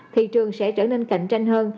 thị trường sẽ trở nên cạnh tranh hơn